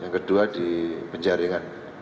yang kedua di penjaringan